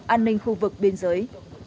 an ninh khu vực bên giới